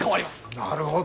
なるほど。